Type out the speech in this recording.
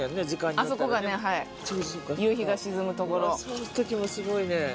そん時もすごいね